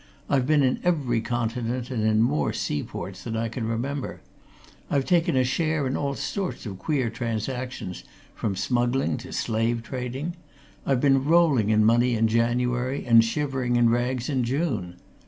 I've been in every continent and in more sea ports than I can remember. I've taken a share in all sorts of queer transactions from smuggling to slave trading. I've been rolling in money in January and shivering in rags in June.